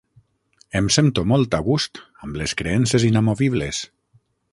Em sento molt a gust amb les creences inamovibles.